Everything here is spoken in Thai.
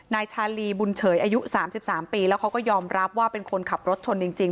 นายชาลีบุญเฉยอายุ๓๓ปีแล้วเขาก็ยอมรับว่าเป็นคนขับรถชนจริง